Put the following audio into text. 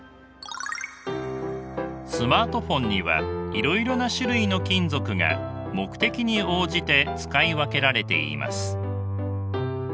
スマートフォンにはいろいろな種類の金属が目的に応じて使い分けられています。